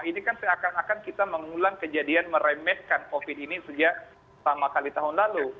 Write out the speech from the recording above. ini kan seakan akan kita mengulang kejadian meremehkan covid ini sejak pertama kali tahun lalu